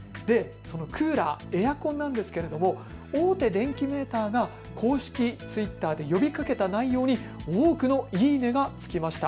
そのクーラー、エアコンなんですけれども大手電機メーカーが公式Ｔｗｉｔｔｅｒで呼びかけた内容に多くのいいねがつきました。